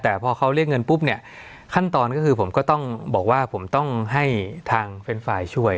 แต่พอเขาเรียกเงินปุ๊บเนี่ยขั้นตอนก็คือผมก็ต้องบอกว่าผมต้องให้ทางเป็นฝ่ายช่วย